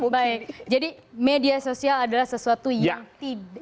baik jadi media sosial adalah sesuatu yang tidak